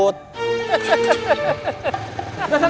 tidak ada bos pedut